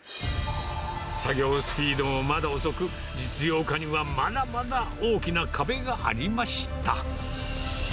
作業スピードもまだ遅く、実用化にはまだまだ大きな壁がありました。